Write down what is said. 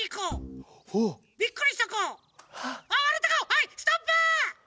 はいストップ！